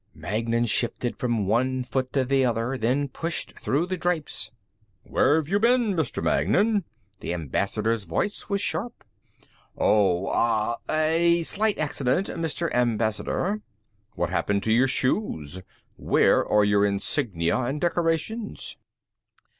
Magnan shifted from one foot to the other then pushed through the drapes. "Where've you been, Mr. Magnan?" The Ambassador's voice was sharp. "Oh ... ah ... a slight accident, Mr. Ambassador." "What's happened to your shoes? Where are your insignia and decorations?"